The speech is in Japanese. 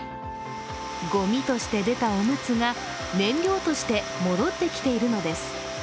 ごみとして出たおむつが燃料として戻ってきているのです。